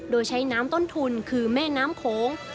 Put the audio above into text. โดยใช้น้ำต้นทุนคือแม่น้ำโขง